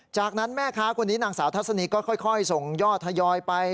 จากนั้นแม่ค้าคนนี้นางสาวทัศนีก็ค่อยส่งยอดทยอยไป